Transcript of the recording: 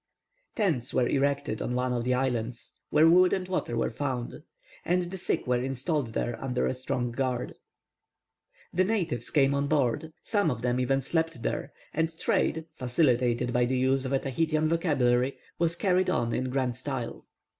Tents were erected on one of the islands, where wood and water were found, and the sick were installed there under a strong guard. The natives came on board, some of them even slept there, and trade, facilitated by the use of a Tahitan vocabulary, was carried on in grand style.